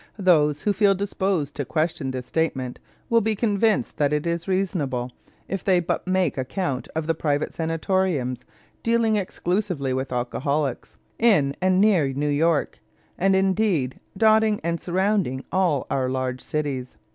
Those who feel disposed to question this statement will be convinced that it is reasonable if they but make a count of the private sanatoriums dealing exclusively with alcoholics in and near New York, and, indeed, dotting and surrounding all our large cities.